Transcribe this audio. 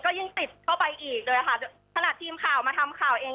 ยิ่งติดเข้าไปอีกเลยค่ะขนาดทีมข่าวมาทำข่าวเอง